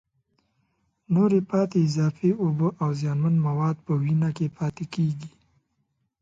نورې پاتې اضافي اوبه او زیانمن مواد په وینه کې پاتېږي.